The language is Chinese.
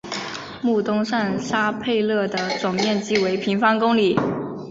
穆东上沙佩勒的总面积为平方公里。